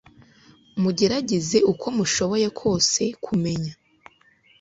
Mugerageze uko mushoboye kose kumenya